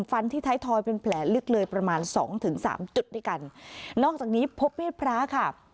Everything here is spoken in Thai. ฟันที่ท้ายทอยเป็นแผลลึกเลยประมาณสองถึงสามจุดด้วยกันนอกจากนี้พบมีดพระค่ะ